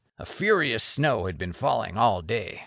A furious snow had been falling all day.